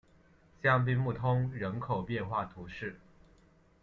香槟穆通人口变化图示